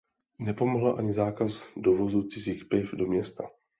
Nepomohl ani zákaz dovozu cizích piv do města.